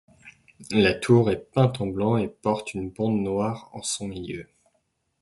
La tour est peinte en blanc et porte une bande noire en son milieu.